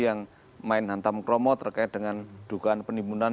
yang main hantam kromo terkait dengan dugaan penimbunan